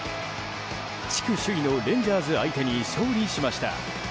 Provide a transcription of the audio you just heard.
地区首位のレンジャーズ相手に勝利しました。